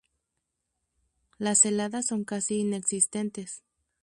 Las heladas son casi inexistentes.